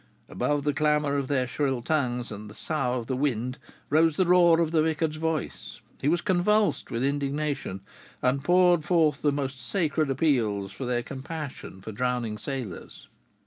Above the clamor of their shrill tongues and the sough of the wind rose the roar of the vicar's voice: he was convulsed with indignation, and poured forth the most sacred appeals to their compassion for drowning sailors.